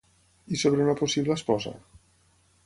I sobre una possible esposa?